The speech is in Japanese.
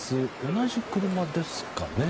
同じ車ですかね。